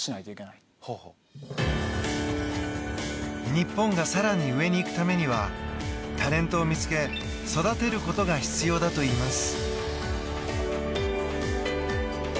日本が更に上に行くためにはタレントを見つけ、育てることが必要だといいます。